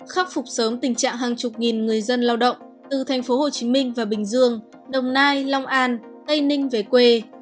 khắc phục sớm tình trạng hàng chục nghìn người dân lao động từ thành phố hồ chí minh và bình dương đồng nai long an tây ninh về quê